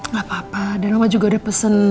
gapapa dan mama juga udah pesen